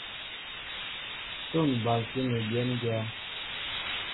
Son balti mi béndya.